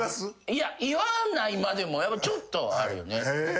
いや言わないまでもちょっとあるよね。